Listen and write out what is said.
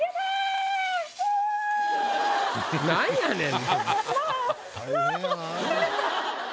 何やねん。